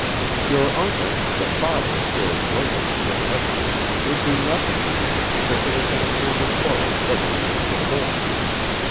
Your uncle, the father of George Lerton, your cousin, would do nothing for you because there had been a family quarrel several years before.